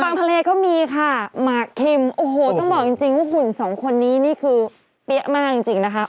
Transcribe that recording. กลางทะเลก็มีค่ะหมากคิมโอ้โหต้องบอกจริงว่าหุ่นสองคนนี้นี่คือเปี๊ยะมากจริงจริงนะคะ